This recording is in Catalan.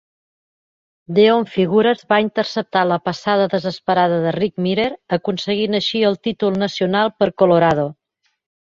Deon Figures va interceptar la passada desesperada de Rick Mirer, aconseguint així el títol nacional per Colorado.